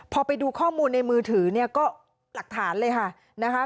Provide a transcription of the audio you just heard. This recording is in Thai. พอไปดูข้อมูลในมือถือก็หลักฐานเลยค่ะ